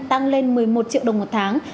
tăng lên một mươi một triệu đồng một tháng